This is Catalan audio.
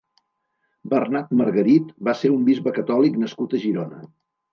Bernat Margarit va ser un bisbe catòlic nascut a Girona.